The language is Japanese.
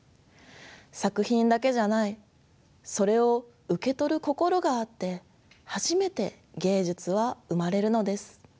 作品だけじゃないそれを受け取る心があって初めて「芸術」は生まれるのです。